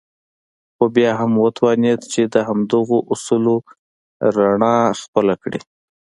خو بيا هم وتوانېد چې د همدغو اصولو رڼا خپله کړي.